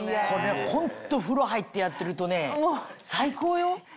これホント風呂入ってやってるとね最高よ。